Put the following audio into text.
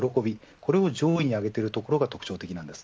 これを上位に挙げているところが特徴的です。